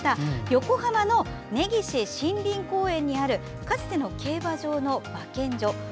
横浜の根岸森林公園にあるかつての競馬場の馬見所。